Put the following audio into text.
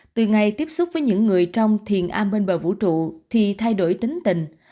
từ ngày tiếp xúc với những người trong thiền a bên bờ vũ trụ thì thay đổi tính tình